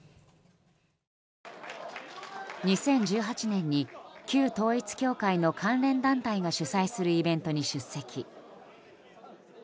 ２０１８年に旧統一教会の関連団体が主催するイベントに出席。